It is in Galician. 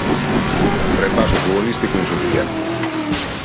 Repaso futbolístico insuficiente.